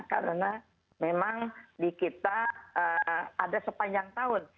karena memang di kita ada sepanjang tahun